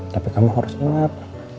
tapi kamu harus ingat